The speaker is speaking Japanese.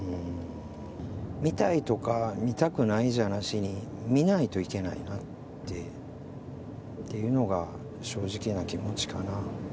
見たいとか見たくないじゃなしに見ないといけないなっていうのが正直な気持ちかな。